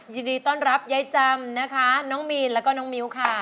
ยินดีต้อนรับยายจำนะคะน้องมีนแล้วก็น้องมิ้วค่ะ